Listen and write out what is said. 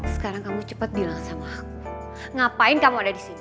sekarang kamu cepat bilang sama ngapain kamu ada di sini